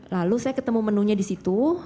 lalu saya ketemu menunya di situ